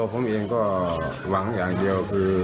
ผมเองก็หวังอย่างเดียวคือ